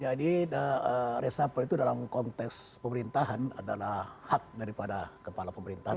resapel itu dalam konteks pemerintahan adalah hak daripada kepala pemerintahan